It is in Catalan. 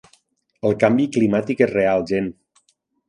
El canvi climàtic és real, gent.